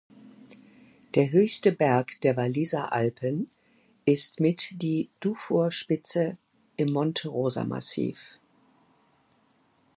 Der höchste Berg der Walliser Alpen ist mit die Dufourspitze im Monte-Rosa-Massiv.